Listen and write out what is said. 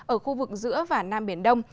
ở khu vực giữa và nam biển đông